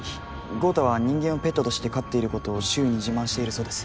豪太は人間をペットとして飼っていることを周囲に自慢しているそうです。